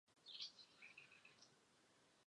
美国有两个层次的认证机构。